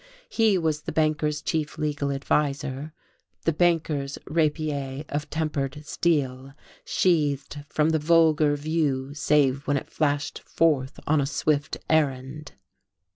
He was the banker's chief legal adviser, the banker's rapier of tempered steel, sheathed from the vulgar view save when it flashed forth on a swift errand.